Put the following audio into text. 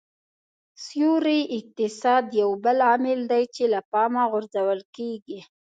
سیوري اقتصاد یو بل عامل دی چې له پامه غورځول کېږي